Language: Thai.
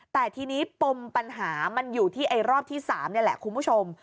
แต่ทีนี้ปมปัญหามันอยู่ที่ไอ้รอบที่๓นี่แหละคุณผู้ชม